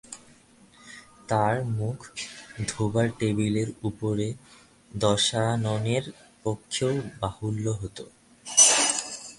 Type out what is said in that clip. তার মুখ-ধোবার টেবিলের উপকরণ দশাননের পক্ষেও বাহুল্য হত।